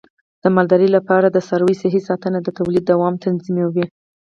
د مالدارۍ لپاره د څارویو صحي ساتنه د تولید دوام تضمینوي.